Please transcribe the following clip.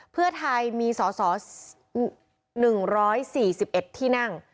เพื่อไทยมีสส๑๔๑ที่นั่ง